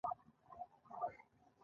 غریب د مهربان زړه محتاج وي